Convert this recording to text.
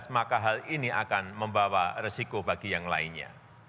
maka hal ini akan membawa resiko bagi yang lainnya